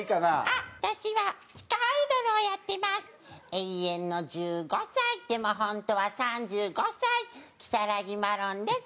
永遠の１５歳でも本当は３５歳如月マロンです。